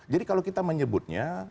jadi kalau kita menyebutnya